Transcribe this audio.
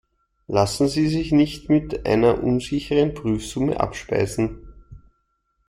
Lassen Sie sich nicht mit einer unsicheren Prüfsumme abspeisen.